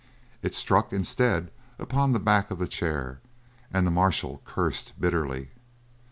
It struck, instead, upon the back of the chair, and the marshal cursed bitterly.